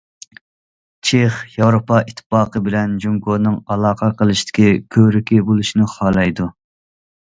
چېخ ياۋروپا ئىتتىپاقى بىلەن جۇڭگونىڭ ئالاقە قىلىشتىكى كۆۋرۈكى بولۇشنى خالايدۇ.